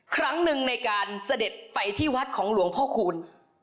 ครั้งหนึ่งในการเสด็จไปที่วัดของหลวงพ่อคูณ